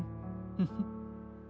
フフッ。